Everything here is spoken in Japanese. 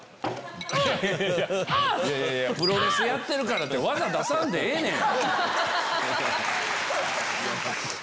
プロレスやってるからって技出さんでええねん。